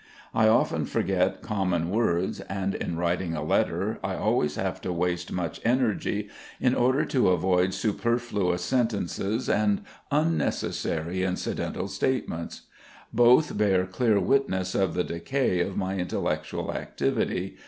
I often forget common words, and in writing a letter I always have to waste much energy in order to avoid superfluous sentences and unnecessary incidental statements; both bear clear witness of the decay of my intellectual activity.